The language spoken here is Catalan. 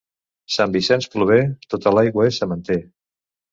Sant Vicenç plover, tota l'aigua és sementer.